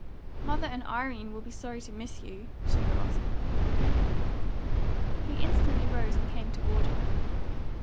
"Mother and Irene will be sorry to miss you," she gasped. He instantly rose and came towards her.